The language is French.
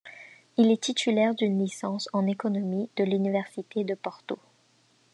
Il est titulaire d'une licence en économie de l'université de Porto.